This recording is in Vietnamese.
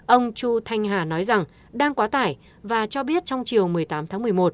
ông chu thanh hà nói rằng đang quá tải và cho biết trong chiều một mươi tám tháng một mươi một